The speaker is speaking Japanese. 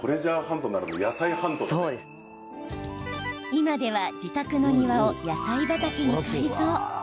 今では自宅の庭を野菜畑に改造。